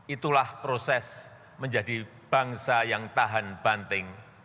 itulah proses menjadi bangsa yang tahan banting